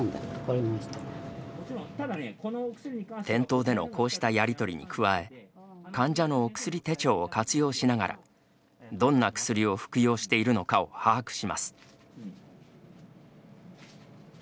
店頭でのこうしたやり取りに加え患者のお薬手帳を活用しながらどんな薬を服用しているのかを把握します。